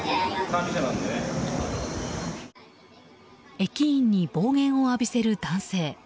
駅員に暴言を浴びせる男性。